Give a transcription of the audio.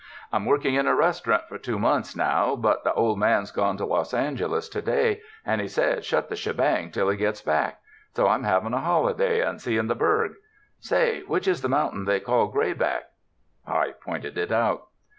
"I'm working in a restaurant for two months now, but the old man's gone to Los Angeles to day, and he said shut the shebang till he gets back; so I'm having a holiday and seeing the burg. Say, which is the mountain they call Grayback?" I pointed it out.